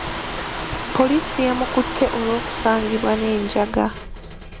Poliisi yamukutte olw'okusangibwa n'enjaga.